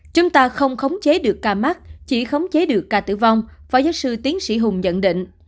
chúng ta không khống chế được ca mắc chỉ khống chế được ca tử vong phó giáo sư tiến sĩ hùng nhận định